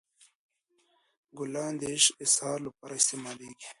ګلان د عشق اظهار لپاره استعمالیږي.